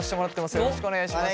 よろしくお願いします。